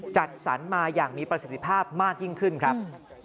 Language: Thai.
จัดสรรมาอย่างมีประสิทธิภาพมากยิ่งขึ้นครับ